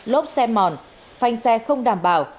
lốp xe mòn phanh xe không đảm bảo